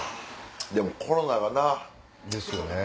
でもコロナがな。ですよね。